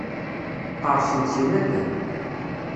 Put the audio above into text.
Qqerṣen si naddam.